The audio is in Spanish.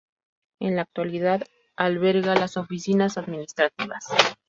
En la actualidad alberga las oficinas administrativas.